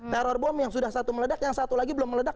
teror bom yang sudah satu meledak yang satu lagi belum meledak